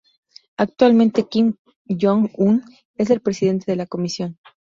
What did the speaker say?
Actualmente, Kim Jong-un es el Presidente de la Comisión.